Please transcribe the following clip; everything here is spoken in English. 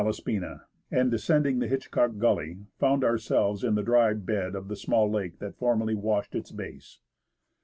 ELIAS TO YAKUTAT spina, and descending the Hitchcock gully, found ourselves in the dry bed of the small lake that formerly washed its base.